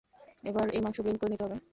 এবার এই মাংস ব্লেন্ড করে নিতে হবে।